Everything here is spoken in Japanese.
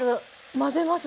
混ぜます